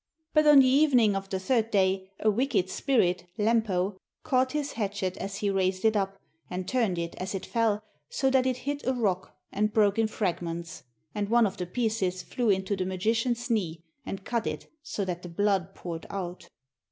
But on the evening of the third day a wicked spirit, Lempo, caught his hatchet as he raised it up, and turned it as it fell, so that it hit a rock and broke in fragments, and one of the pieces flew into the magician's knee, and cut it, so that the blood poured out.